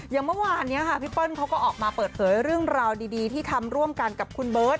อย่างเมื่อวานนี้ค่ะพี่เปิ้ลเขาก็ออกมาเปิดเผยเรื่องราวดีที่ทำร่วมกันกับคุณเบิร์ต